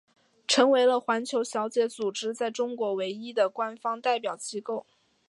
成为了环球小姐组织在中国唯一的官方代表机构。